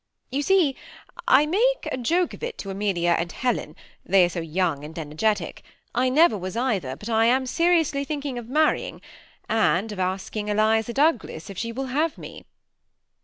You see, I make a joke of it to Amelia and Helen, they are so young and energetic. I never was either, but I am seriously thinking of marrying, and of asking Eliza X>ouglas if she will have me."